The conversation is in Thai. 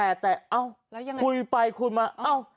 แล้วยังไงแล้วยังไงเรากลัวขุมไปคุณมาเอ้า